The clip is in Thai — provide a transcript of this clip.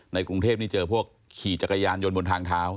กรุงเทพนี่เจอพวกขี่จักรยานยนต์บนทางเท้า